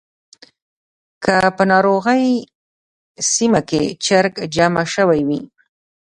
که په ناروغۍ سیمه کې چرک جمع شوی وي.